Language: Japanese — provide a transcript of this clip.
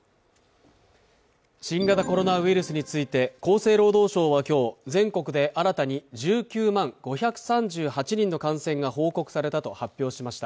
新型コロナウイルスについて、厚生労働省は今日、全国で新たに１９万５３８人の感染が報告されたと発表しました。